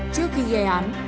trước khi gây án